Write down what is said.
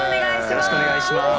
よろしくお願いします。